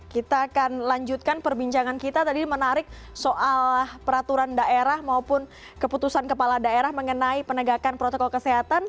kita akan lanjutkan perbincangan kita tadi menarik soal peraturan daerah maupun keputusan kepala daerah mengenai penegakan protokol kesehatan